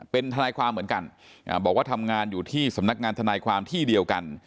เป็นทนายความเหมือนกันบอกว่าทำงานอยู่ที่สำนักงานทนายความที่เดียวกัน